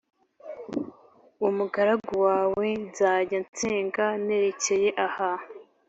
umugaragu wawe nzajya nsenga nerekeye aha.